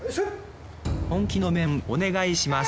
本気の面お願いします